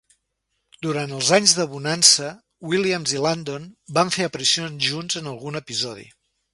Durant els anys de "Bonanza", Williams i Landon van fer aparicions junts en algun episodi.